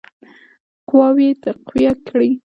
قواوي تقویه کړي.